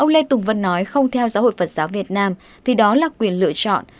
ông lê tùng vân nói không theo giáo hội phật giáo việt nam thì đó là quyền lựa chọn